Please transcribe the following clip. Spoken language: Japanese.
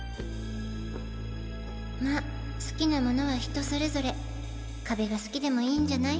ま好きなものは人それぞれ壁が好きでもいいんじゃない？